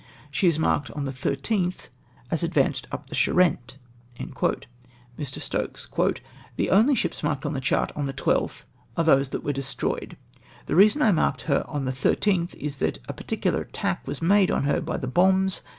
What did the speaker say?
She is marked on the I'Sth as advanced up the Charente !" Mk. Stokes. —" The only ships marked on the chart on the \'2th are those that vj ere destroyed. The reason I marked her on the 13th is, that a particular attack was made on her by the bombs.